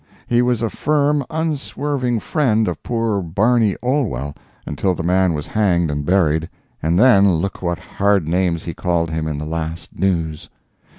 He was a firm, unswerving friend of poor Barney Olwell until the man was hanged and buried, and then look what hard names he called him in the last News.